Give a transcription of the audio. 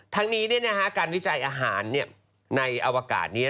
ทั้งนี้การวิจัยอาหารในอวกาศนี้